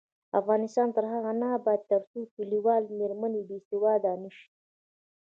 افغانستان تر هغو نه ابادیږي، ترڅو کلیوالې میرمنې باسواده نشي.